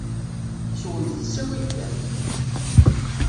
Swemt s ttawil kan!